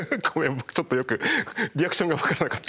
僕ちょっとよくリアクションがわからなかった。